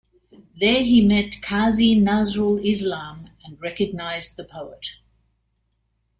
There he met Kazi Nazrul Islam and recognized the poet.